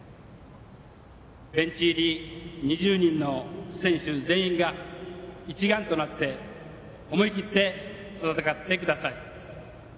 ベンチ入り２０人の選手全員が一丸となって思い切って戦ってください。